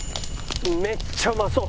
めっちゃうまそう！